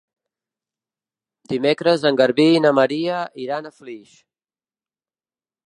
Dimecres en Garbí i na Maria iran a Flix.